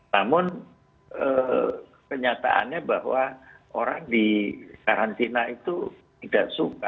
namun kenyataannya bahwa orang di karantina itu tidak suka